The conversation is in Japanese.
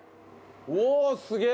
おおすげえ！